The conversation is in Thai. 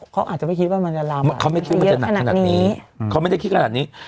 เขาไม่คิดมันจะหนักนี้เขาไม่ได้คิดขนาดนี้